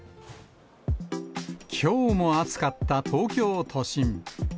きょうも暑かった東京都心。